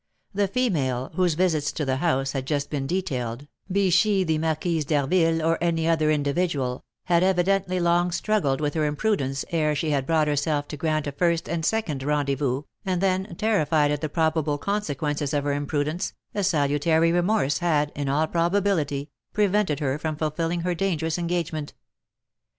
The female, whose visits to the house had just been detailed, be she the Marquise d'Harville or any other individual, had evidently long struggled with her imprudence ere she had brought herself to grant a first and second rendezvous, and then, terrified at the probable consequences of her imprudence, a salutary remorse had, in all probability, prevented her from fulfilling her dangerous engagement.